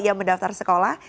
yang mendaftar sekolah